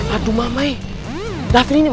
aku mau pergi ke rumah